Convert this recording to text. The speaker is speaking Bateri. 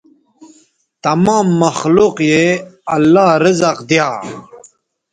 تمام مخلوق یے اللہ رزق دیا